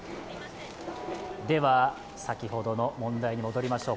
では、先ほどの問題に戻りましょう。